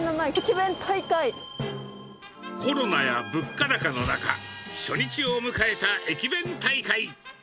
コロナや物価高の中、初日を迎えた駅弁大会。